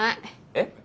えっ？